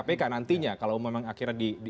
undang undang kpk nantinya kalau memang akhirnya